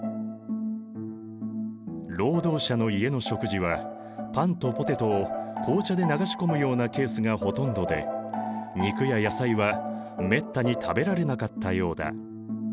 労働者の家の食事はパンとポテトを紅茶で流し込むようなケースがほとんどで肉や野菜はめったに食べられなかったようだ。